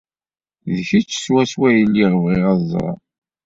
D kečč swaswa i lliɣ bɣiɣ ad ẓreɣ.